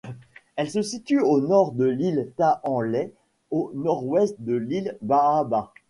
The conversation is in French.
Elle se situe au Nord de l'île Taanlai, au nord-ouest de l'île Baaba.